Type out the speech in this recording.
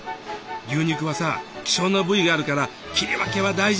牛肉はさ希少な部位があるから切り分けは大事。